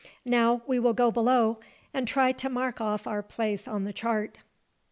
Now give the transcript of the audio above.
Now we will go below, and try and mark off our place on the chart."